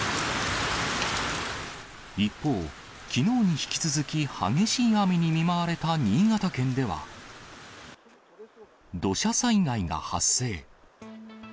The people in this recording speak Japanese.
一方、きのうに引き続き、激しい雨に見舞われた新潟県では、土砂災害が発生。